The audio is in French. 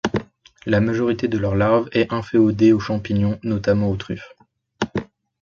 La majorité de leur larve est inféodée aux champignons, notamment aux truffes.